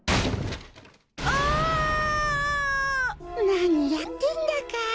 なにやってんだか。